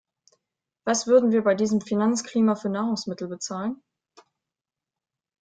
Was würden wir bei diesem Finanzklima für Nahrungsmittel bezahlen?